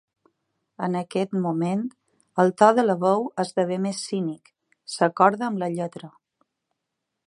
En aquest moment el to de la veu esdevé més cínic, s'acorda amb la lletra.